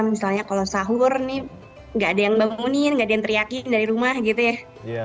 misalnya kalau sahur nih nggak ada yang bangunin nggak ada yang teriakin dari rumah gitu ya